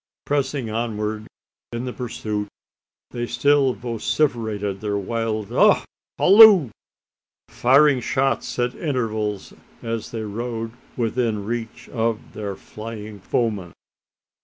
Pressing onward in the pursuit, they still vociferated their wild Ugh! aloo! firing shots at intervals, as they rode within reach of their flying foemen.